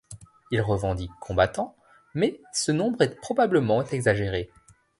Il revendique combattants, mais ce nombre est probablement exagéré.